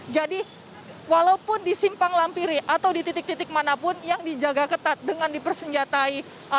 jadi walaupun disimpang lampiri atau di titik titik manapun yang dijaga ketat dengan dipersenjatai